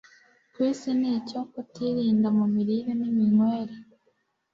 ku isi ni icyo kutirinda mu mirire niminywere